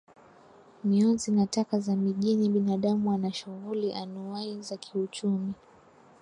mionzi na taka za mijini Binadamu ana shughuli anuwai za kiuchumi